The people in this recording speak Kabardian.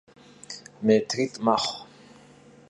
Mêtrit' mexhu.